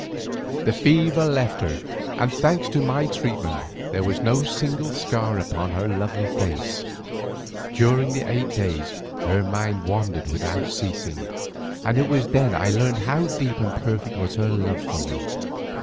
The fever left her, and thanks to my treatment, there was no single scar upon her lovely face. During eight days her mind wandered without ceasing, and it was then I learned how deep and perfect was her love for me.